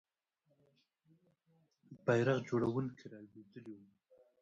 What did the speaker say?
بیرغ وړونکی رالوېدلی وو.